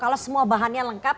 kalau semua bahannya lengkap